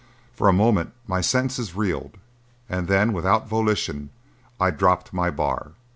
For a moment my senses reeled and then, without volition, I dropped my bar.